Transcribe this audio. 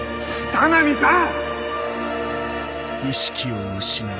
田波さん！